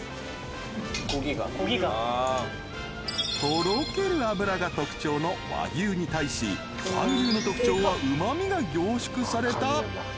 ［とろける脂が特徴の和牛に対し韓牛の特徴はうま味が凝縮された赤身］